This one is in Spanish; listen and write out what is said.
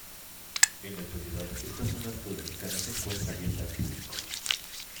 En la actualidad, esta zona arqueológica no se encuentra abierta al público.